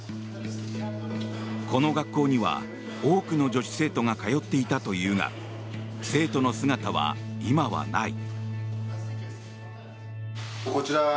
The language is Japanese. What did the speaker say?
この学校には多くの女子生徒が通っていたというが生徒の姿は今はない。